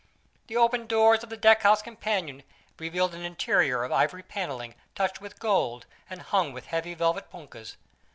The open doors of the deckhouse companion revealed an interior of ivory paneling touched with gold, and hung with heavy velvet punkahs.